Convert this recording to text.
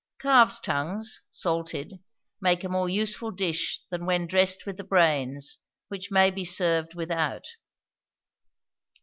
Calves' tongues, salted, make a more useful dish than when dressed with the brains, which may be served without.